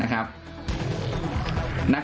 พี่โหดขนาดไหนนะครับ